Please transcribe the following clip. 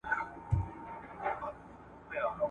په دغه نامې کي د توري غلطي نسته.